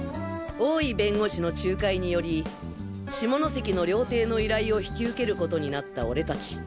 大井弁護士の仲介により下関の料亭の依頼を引き受けることになった俺達。